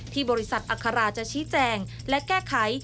บริษัทอัคราจะชี้แจงและแก้ไข